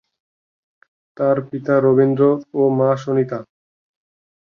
তার পিতা রবীন্দ্র ও মা সুনিতা।